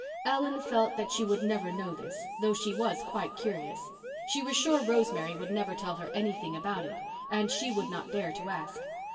Ellen felt that she would never know this, though she was quite curious. She was sure Rosemary would never tell her anything about it and she would not dare to ask.